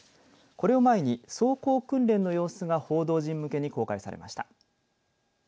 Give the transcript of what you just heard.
これを前に走行訓練の様子が報道陣向けに公開されました。